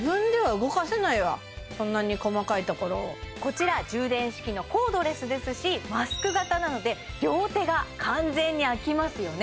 こちら充電式のコードレスですしマスク型なので両手が完全に空きますよね